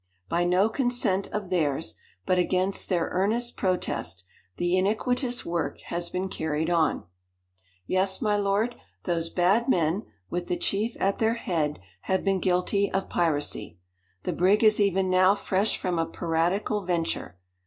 By no consent of theirs, but against their earnest protest, the iniquitous work has been carried on. "Yes, my lord those bad men, with the chief at their head, have been guilty of piracy. The brig is even now fresh from a piratical venture.